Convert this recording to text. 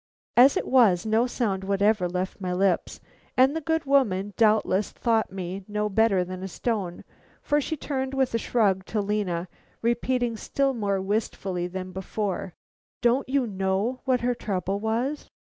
As it was, no sound whatever left my lips, and the good woman doubtless thought me no better than a stone, for she turned with a shrug to Lena, repeating still more wistfully than before: "Don't you know what her trouble was?"